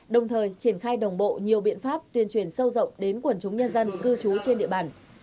đồng thời triển khai đồng bộ nhiều biện pháp tuyên truyền sâu rộng đến quần chúng nhân dân cư trú trên địa bàn